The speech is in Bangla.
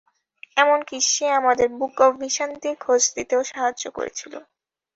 এমনকি সে আমাদের বুক অব ভিশান্তির খোঁজ দিতেও সাহায্য করেছিল।